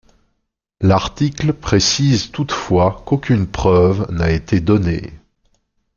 L'article précise toutefois qu'aucune preuve n'a été donnée.